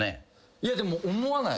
いやでも思わないっすね。